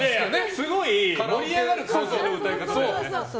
すごい盛り上がる感じの歌い方だよね。